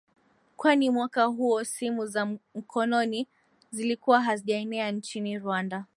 Kwani mwaka huo simu za mkononi zilikuwa hazijaenea nchini Rwanda